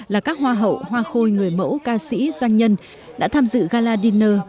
là các hoa hậu hoa khôi người mẫu ca sĩ doanh nhân đã tham dự gala dinner